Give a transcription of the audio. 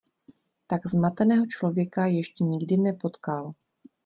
Tak zmateného člověka ještě nikdy nepotkal.